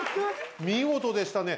見事でしたね。